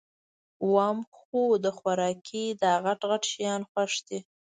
وام خو د خوارکي داغټ غټ شیان خوښ دي